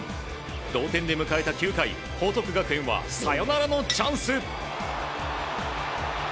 同点で迎えた９回報徳学園はサヨナラのチャンス。